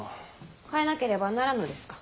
変えなければならんのですか？